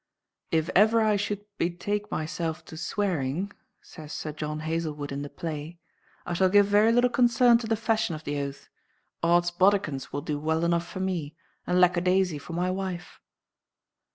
"If ever I should betake myself to swearing," says Sir John Hazlewood in the play, "I shall give very little concern to the fashion of the oath. Odd's bodikins will do well enough for me, and lack a daisy for my wife."